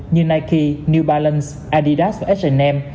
như nike new balance adidas và h m